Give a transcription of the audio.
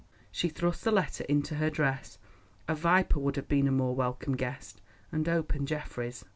She thrust the letter into her dress—a viper would have been a more welcome guest—and opened Geoffrey's.